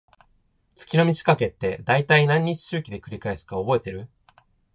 月の満ち欠けって、だいたい何日周期で繰り返すか覚えてる？